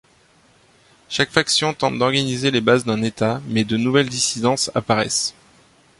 Chaque faction tente d'organiser les bases d'un État, mais de nouvelles dissidences apparaissent.